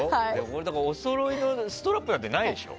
おそろいのストラップなんてないでしょ？